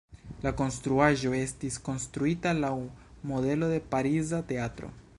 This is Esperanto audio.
La konstruaĵo estis konstruita laŭ modelo de pariza teatro.